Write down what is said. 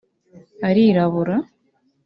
arirabura…